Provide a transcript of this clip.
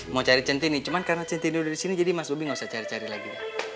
mau cari centini cuman karena centini udah disini jadi mas bobi gak usah cari cari lagi